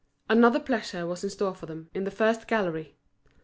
Another pleasure was in store for them, in the first gallery.